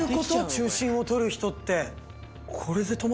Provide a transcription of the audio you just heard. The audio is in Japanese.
中心をとる人って。